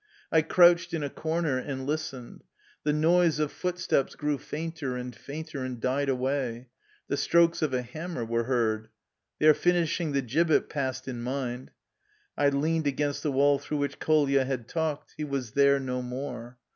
I crouched in a cor ner and listened. The noise of footsteps grew fainter and fainter and died away. The strokes of a hammer were heard. " They are finishing the gibbet," passed in mind. I leaned against the wall through which Kolia had talked; he was there no more.